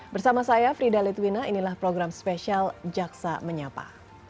bersama saya frida litwina inilah program spesial jaksa menyapa